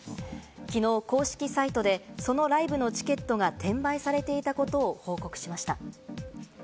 きのう公式サイトでそのライブのチケットが転売されていたことを報告しました。